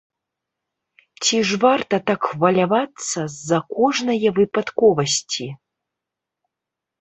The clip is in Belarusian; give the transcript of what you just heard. Ці ж варта так хвалявацца з-за кожнае выпадковасці?